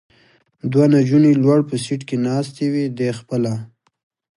دوه نجونې لوړ په سېټ کې ناستې وې، دی خپله.